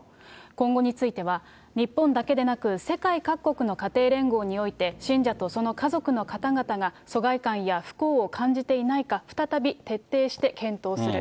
今後については、日本だけでなく、世界各国の家庭連合において、信者とその家族の方々が疎外感や不幸を感じていないか、再び徹底して検討する。